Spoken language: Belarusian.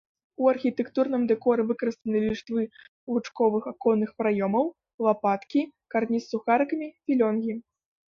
У архітэктурным дэкоры выкарыстаны ліштвы лучковых аконных праёмаў, лапаткі, карніз з сухарыкамі, філёнгі.